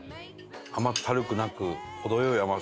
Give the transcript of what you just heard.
甘ったるくなく程良い甘さですね。